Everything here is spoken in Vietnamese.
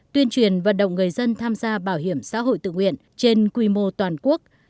tuyên truyền vận động người dân tham gia bảo hiểm xã hội tự nguyện trên quy mô toàn quốc